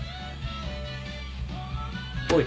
おい。